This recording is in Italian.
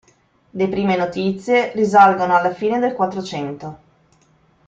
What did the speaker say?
Le prime notizie risalgono alla fine del Quattrocento.